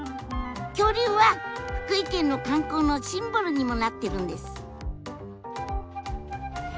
恐竜は福井県の観光のシンボルにもなってるんです。